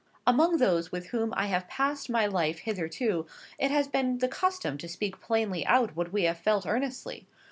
Among those with whom I have passed my life hitherto, it has been the custom to speak plainly out what we have felt earnestly.